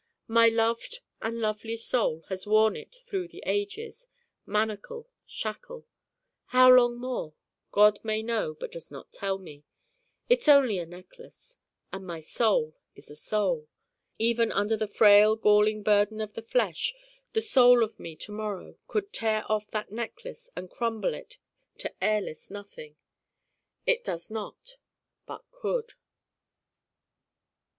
My loved and lovely Soul has worn it through the ages: manacle, shackle. How long more God may know but does not tell me. It's only a Necklace. And my Soul is a Soul! Even under the frail galling burden of the flesh the Soul of me to morrow could tear off that Necklace and crumble it to airless nothing. It does not: but could.